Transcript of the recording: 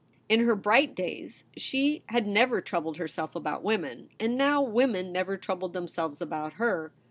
In her bright days she had never troubled herself about women, and now women never troubled themselves about her.